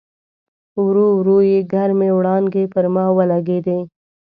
ورو ورو یې ګرمې وړانګې پر ما ولګېدې.